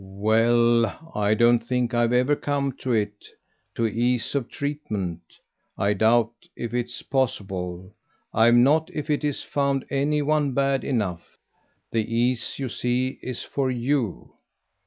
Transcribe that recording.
"Well, I don't think I've ever come to it to 'ease' of treatment. I doubt if it's possible. I've not, if it is, found any one bad enough. The ease, you see, is for YOU."